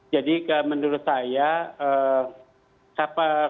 jadi menurut saya